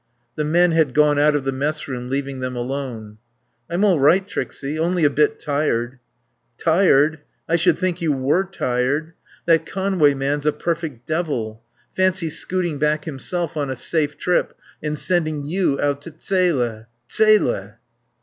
The men had gone out of the messroom, leaving them alone. "I'm all right, Trixie, only a bit tired." "Tired? I should think you were tired. That Conway man's a perfect devil. Fancy scooting back himself on a safe trip and sending you out to Zele. Zele!"